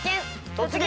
「突撃！